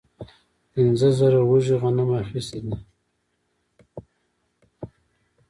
پنځه زره وږي غنم اخیستي دي.